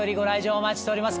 お待ちしております。